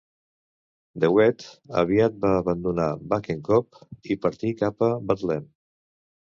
De Wet aviat va abandonar Bakenkop i partir cap a Betlem.